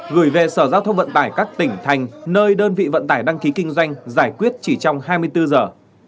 gửi về sở giao thông vận tải các tỉnh thành nơi đơn vị vận tải đăng ký kinh doanh giải quyết chỉ trong hai mươi bốn giờ